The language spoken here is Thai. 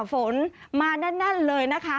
ฝนมาแน่นเลยนะคะ